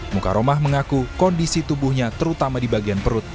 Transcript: mukaromah mengaku kondisi tubuhnya terutama di bagian perut